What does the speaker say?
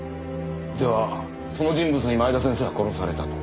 ではその人物に前田先生は殺されたと？